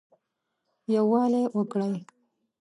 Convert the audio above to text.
يووالى وکړٸ